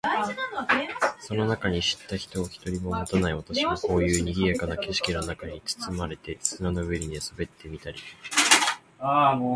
その中に知った人を一人ももたない私も、こういう賑（にぎ）やかな景色の中に裹（つつ）まれて、砂の上に寝そべってみたり、膝頭（ひざがしら）を波に打たしてそこいらを跳（は）ね廻（まわ）るのは愉快であった。